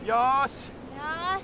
よし。